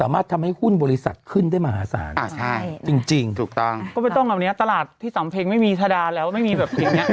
ไม่มีเครื่องหัวแบบนี้ไม่มีแบบแม่